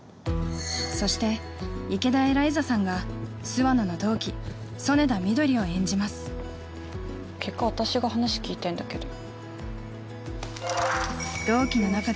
そして池田エライザさんが諏訪野の同期曽根田みどりを演じます結果私が話聞いてんだけど。